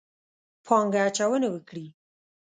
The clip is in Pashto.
پانګه اچونه وکړي.